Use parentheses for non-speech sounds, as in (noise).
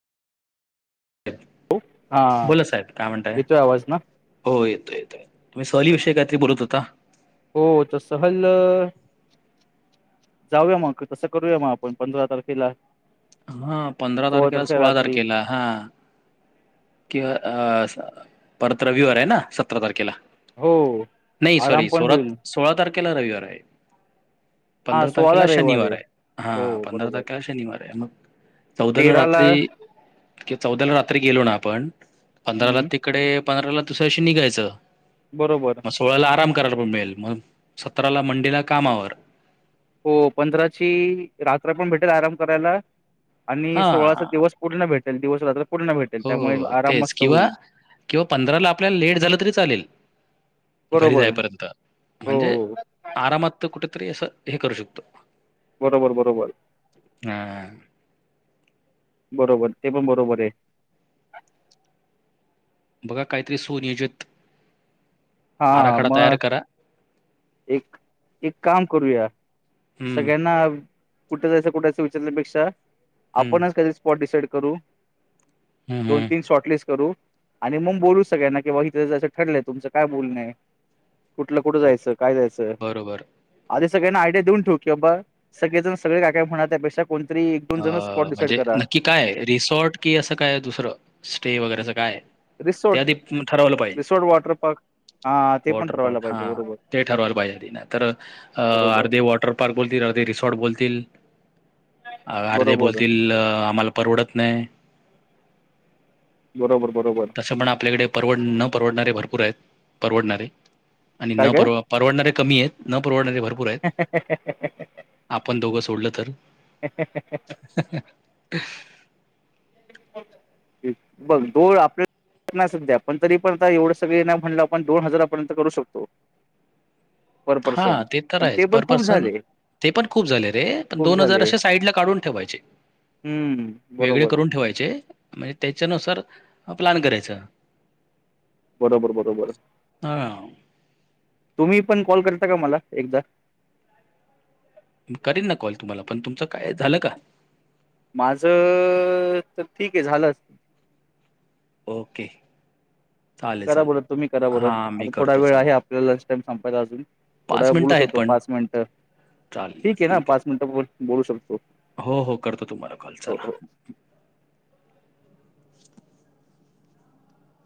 हो हा बोला साहेब काय म्हणताय. येतोय आवाज ना हो येतो येतो तुम्ही सहली विषय काहीतरी बोलत होता. हो तर सहल जाऊया मग तसं करूया मग आपण पंधरा तारखेला. हा पंधरा तारखेला सोळा तारखेला हा किंवा अ परत रविवार आहे ना सतरा तारखेला हो नाही आराम सॉरी पण सोळा होईल सोळा तारखेला रविवार आहे. हा पंधरा तारखेला सोळाला रविवार शनिवार आहे हा हो पंधरा बरोबर तारखेला शनिवार आहे मग चौदाला तेराला रात्री चौदाला रात्री गेलो ना आपण पंधराला हम्म ते इकडे पंधरा ला दुसऱ्याशी निघायचं बरोबर मग सोळाला आराम करायला पण मिळेल मग सतराला मंडे कामावर हो पंधराची रात्र पण भेटेल आराम करायला आणि सोळाचा हां दिवस कुठल भेटल दिवस रात्र पूर्ण भेटेल त्यामुळे हो आराम तेच मस्त किंवा होईल किंवा पंधराला आपल्याला लेट झालं तरी चालेल घरी बरोबर जायपर्यंत हो म्हणजे आरामात तर कुठेतरी असं हे करू शकतो बरोबर बरोबर ह बरोबर ते पण बरोबर आहे बघा काहीतरी सुनियोजित हा आराखडा तयार मग करा. एक एक काम करूया हं, सगळ्यांना कुठे जासं कुठे अस विचारल्यापेक्षा हं, आपणच कधी स्पॉट डिसाईड करू हं, दोन हं. तीन शॉर्टलिस्ट करू आणि मग बोलू सगळ्यांना कि बा इथं जायचं ठरलंय तुमचं काय बोलण कुठलं कुठं ओ जायचं काय जायचं बरोबर. आधी सगळ्यांना आयडिया देऊन ठेूवू कि बाबा सगळे जण सगळे काय काय होण्या त्यापेक्षा कोणतरी एक दोन अ, जण स्पॉट डिसाइड म्हणजे करा नक्की काय रिसॉर्ट कि असं काय दुसरं स्टे वगैरेचं काय ते रिसॉर्ट आधी ठरवलं पाहिजे रिसॉर्ट वॉटर पार्क हा ते पण वॉटर ठरवायला पार्क हा पाहिजे बरोबर ते ठरवायल पाहिजेली ना तर अ बरोबर अर्धे वॉटर् पार् बोलतील अर्धे ते रिसॉर्ट बोलतील अर्धे बरोबर बोलतील आम्हाला परवडत नाही बरोबर बरोबर तसं पण आपल्याकडे परवड न परवडणारे भरपूर आहेत परवडणारे आणि काय न परव परडणारे कमी आहेत न परवडणारे भर ह ह ह ह आपण दोघं सोडलं तर बघ दोन आपल्या सध्या पण तरी पण आता एवढं सगळे ना म्हणलं आपण दोन हजारापर्यंत करू शकतो (inaudible) हा ते तर पण आहे पण पर खूप पर्सन झाले ते पण खूप झाले रे पण खूप दोन हजार झाले असे साईड ला काढून ठेवायचे हम्म वेगळे बरोबर करून ठेवायचे म्हणजे त्याच्यानुसार प्लॅन करायचं बरोबर बरोबर हां, तुम्ही पण कॉल करता का मला एकदा. करेन ना कॉल तुम्हाला पण तुमचं काय झालं का? माझ तर ठीक आहे झालंच. ओके चालेल, करा चालेल. बर तुम्ही करा बर हां, मी आता थोडा करतो वेळ चला. आहे आपल्याला लंच टाइम संपायला अजून. थोडा बोलू मिनिटं आहेत शकतो पण. पाच मिनिटं ठीक आहे ना पाच मिनिटं बोलू शकतो. हो हो करतो तुम्हाला कॉल हो हो चला.